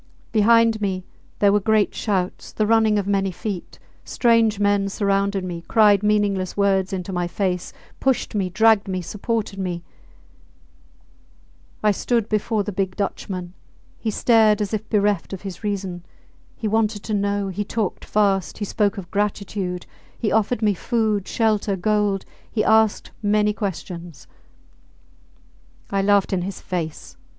Behind me there were great shouts, the running of many feet; strange men surrounded me, cried meaningless words into my face, pushed me, dragged me, supported me ... I stood before the big Dutchman: he stared as if bereft of his reason. He wanted to know, he talked fast, he spoke of gratitude, he offered me food, shelter, gold he asked many questions. I laughed in his face.